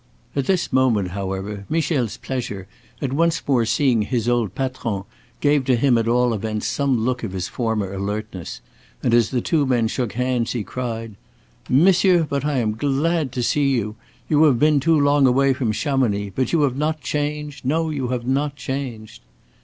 At this moment, however, Michel's pleasure at once more seeing his old patron gave to him at all events some look of his former alertness, and as the two men shook hands he cried: "Monsieur, but I am glad to see you! You have been too long away from Chamonix. But you have not changed. No, you have not changed."